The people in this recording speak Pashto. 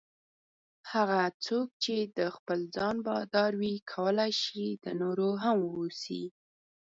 هغه څوک چې د خپل ځان بادار وي کولای شي د نورو هم واوسي.